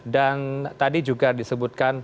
dan tadi juga disebutkan